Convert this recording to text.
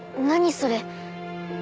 それ。